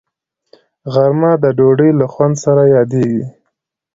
غرمه د ډوډۍ له خوند سره یادیږي